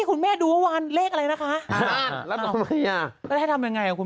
คุณแม่ดูว่าวันเลขอะไรนะคะแล้วทำไมอ่ะก็ให้ทำยังไงคุณ